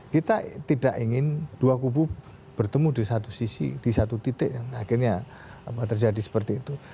kita tidak ingin dua kubu bertemu di satu sisi di satu titik yang akhirnya terjadi seperti itu